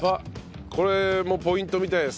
これもポイントみたいです。